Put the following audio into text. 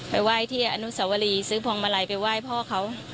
ไหว้ที่อนุสวรีซื้อพวงมาลัยไปไหว้พ่อเขา